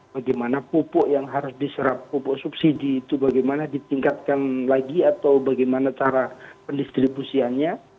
bagaimana pupuk yang harus diserap pupuk subsidi itu bagaimana ditingkatkan lagi atau bagaimana cara pendistribusiannya